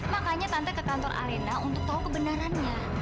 makanya tante ke kantor arena untuk tahu kebenarannya